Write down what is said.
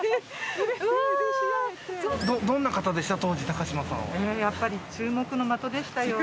どんな方でした？